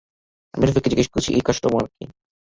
আমি রফিককে জিজ্ঞাসা করেছি, এই কাস্টমার কে?